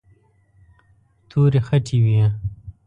تورې خټې وې.